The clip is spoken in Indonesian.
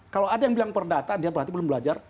kalau ada yang bilang perdata dia berarti belum belajar